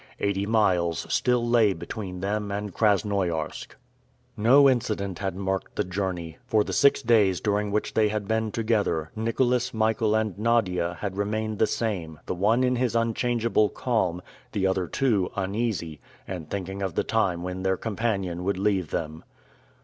Eighty miles still lay between them and Krasnoiarsk. No incident had marked the journey. For the six days during which they had been together, Nicholas, Michael, and Nadia had remained the same, the one in his unchange able calm, the other two, uneasy, and thinking of the time when their companion would leave them.